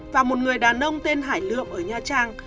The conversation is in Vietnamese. và một người đàn ông tên hải lượm ở nha trang